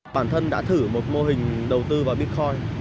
bản thân đã thử một mô hình đầu tư vào bitcoin